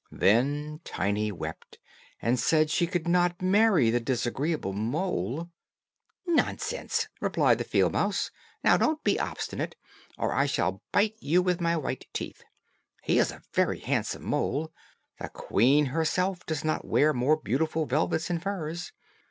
Then Tiny wept, and said she would not marry the disagreeable mole. "Nonsense," replied the field mouse. "Now don't be obstinate, or I shall bite you with my white teeth. He is a very handsome mole; the queen herself does not wear more beautiful velvets and furs.